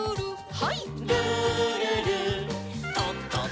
はい。